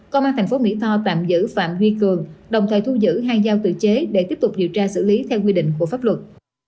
công an tp mỹ tho tạm giữ phạm duy cường đồng thời thu giữ hai dao tự chế để tiếp tục điều tra xử lý theo quy định của pháp luật